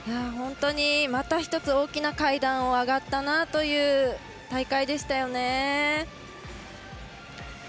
本当に、また１つ大きな階段を上がったなという大会でしたね。